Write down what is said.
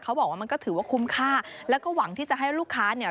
บอกว่ามันก็ถือว่าคุ้มค่าแล้วก็หวังที่จะให้ลูกค้าเนี่ย